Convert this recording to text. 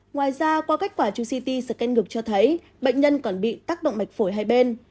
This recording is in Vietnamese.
ngoài ra qua kết quả chusiti scan ngực cho thấy bệnh nhân còn bị tắc động mạch phổi hai bên